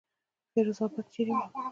فیروز آباد چېرې وو.